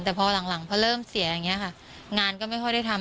แต่พอหลังพอเริ่มเสียอย่างนี้ค่ะงานก็ไม่ค่อยได้ทำ